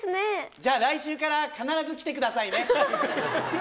じゃあ来週から必ず来てくださいね。